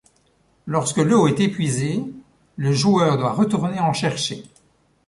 Lorsque l’eau est épuisée, le joueur doit retourner en chercher.